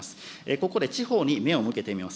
ここで地方に目を向けてみます。